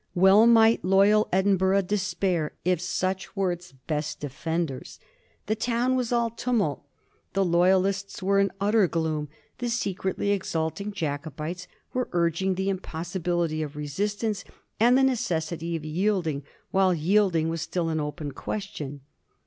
Well might loyal Edinburgh despair if such were its best defenders. The town was all tumult, the Loyalists were in utter gloom, the secretly exulting Jacobites were urging the impossi bility of resistance, and the necessity for yielding while yielding was still an open question.